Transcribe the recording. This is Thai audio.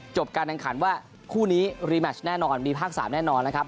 จบการดังขันว่าคู่นี้แน่นอนมีภาคสามแน่นอนแล้วครับ